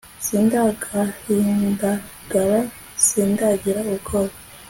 sindagahindagara sindagira ubwoba